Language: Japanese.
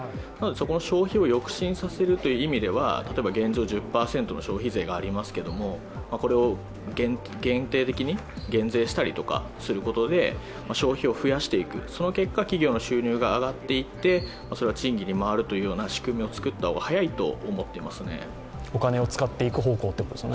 そこの消費を欲心させるという意味では、現状１０％の消費税がありますけれども、これを限定的に減税したりすることで消費を増やしていく、その結果、企業の収入が上がっていってそれは賃金に回るという仕組みを作った方が早いと思っています。